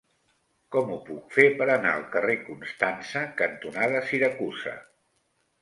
Com ho puc fer per anar al carrer Constança cantonada Siracusa?